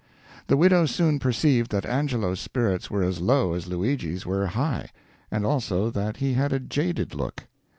The widow soon perceived that Angelo's spirits were as low as Luigi's were high, and also that he had a jaded look.